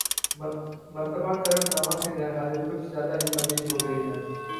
مرتبہ کرک نامہ سے غیر حاضری کچھ زیادہ ہی طویل ہوگئی ہے